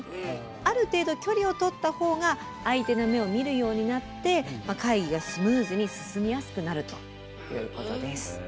ある程度距離をとったほうが相手の目を見るようになって会議がスムーズに進みやすくなるということです。